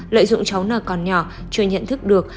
lợi dụng cháu nào còn nhỏ chưa nhận thức được